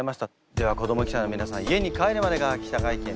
では子ども記者の皆さん家に帰るまでが記者会見です。